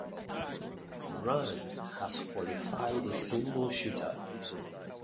Iran has qualified a single shooter.